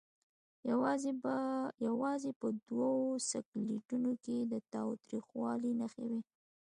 یوازې په دوو سکلیټونو کې د تاوتریخوالي نښې وې.